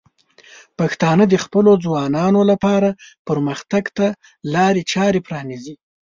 پښتانه د خپلو ځوانانو لپاره پرمختګ ته لارې چارې پرانیزي.